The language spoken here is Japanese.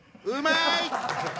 うまい！